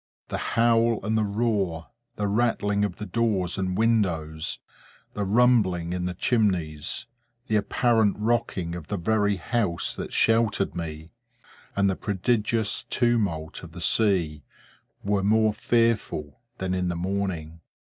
The howl and roar, the rattling of the doors and windows, the rumbling in the chimneys, the apparent rocking of the very house that sheltered me, and the prodigious tumult of the sea, were more fearful than in the morning.